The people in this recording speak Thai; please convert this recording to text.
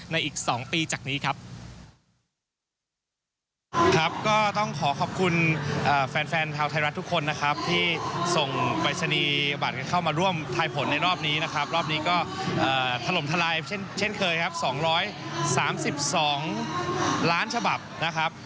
อีก๒ปีจากนี้ครับ